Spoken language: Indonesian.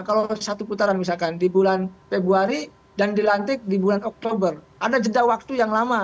kalau satu putaran misalkan di bulan februari dan dilantik di bulan oktober ada jeda waktu yang lama